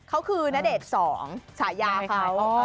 เขาคือนาเด็ก๒ฉายาค่ะ